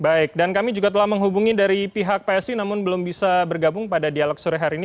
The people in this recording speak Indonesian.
baik dan kami juga telah menghubungi dari pihak psi namun belum bisa bergabung pada dialog sore hari ini